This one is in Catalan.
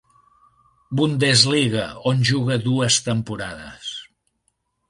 Bundesliga, on juga dues temporades.